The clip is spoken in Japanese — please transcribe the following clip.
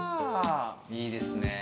いいですね。